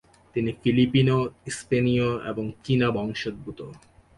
তিনি ফিলিপিনো, স্পেনীয় ও চীনা বংশোদ্ভূত।